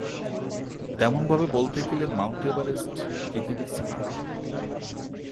তেমন ভাবে বলতে গেলে মাউন্ট এভারেস্ট পৃথিবীর ছাদ।